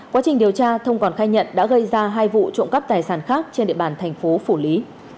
quá trình điều tra thông còn khai nhận đã gây ra hai vụ trộm cắp tài sản khác trên địa bàn thành phố phủ lý